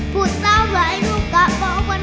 พูดเศร้าหลายลูกก็บอกว่า